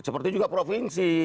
seperti juga provinsi